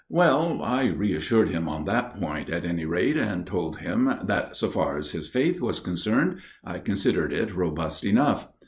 " Well, I reassured him on that point, at any rate, and told him that, so far as his faith was concerned, I considered it robust enough.